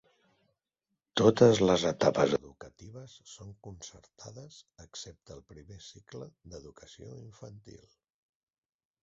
Totes les etapes educatives són concertades excepte el primer cicle d'educació infantil.